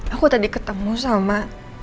aku tadi ketemu sama